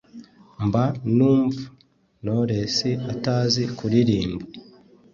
mba numv knowless atazi kuririmba